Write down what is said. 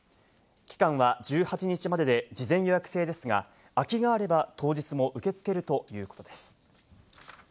期間は１８日までで事前予約制ですが、空きがあれば当日も受け付けるということです。